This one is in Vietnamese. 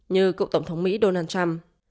như cựu tổng thống mỹ donald trump